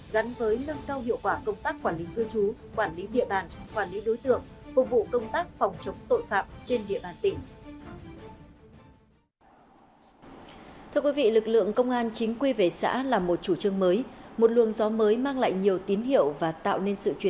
dắn với nâng cao hiệu quả công tác quản lý cư trú quản lý địa bàn